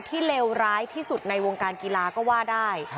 เลวร้ายที่สุดในวงการกีฬาก็ว่าได้